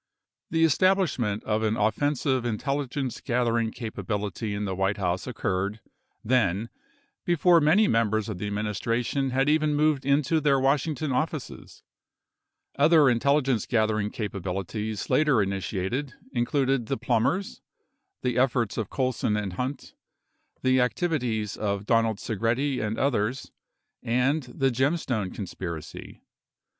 The establishment of an offen sive intelligence gathering capability in the White House occurred, then, before many members of the administration had even moved into their Washington offices. Other intelligence gathering capabilities later initiated included the Plumbers, the efforts of Colson and Hunt, the activities of Donald iSegretti and others, and the Gemstone conspiracy.